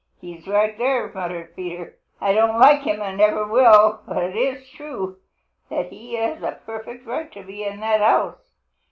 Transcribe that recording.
"He's right there," muttered Peter. "I don't like him and never will, but it is true that he has a perfect right to that house.